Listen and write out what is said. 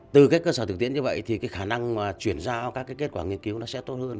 từ các cơ sở thực tiễn như vậy thì khả năng chuyển giao các kết quả nghiên cứu sẽ tốt hơn